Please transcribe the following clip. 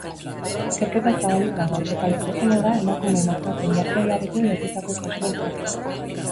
Ikerketa zabalik dago, eta litekeena da emakumeen aurkako indarkeriarekin lotutako kasua izatea.